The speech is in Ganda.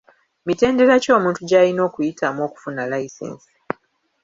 Mitendera ki omuntu gy'ayina okuyitamu okufuna layisinsi.